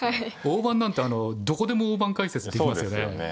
大盤なんてどこでも大盤解説ができますよね。